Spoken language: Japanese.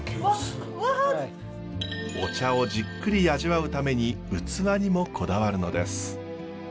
お茶をじっくり味わうために器にもこだわるのです。